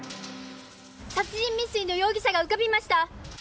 殺人未遂の容疑者が浮かびました！